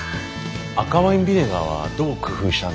赤ワインビネガーはどう工夫したんですか？